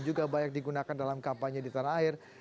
juga banyak digunakan dalam kampanye di tanah air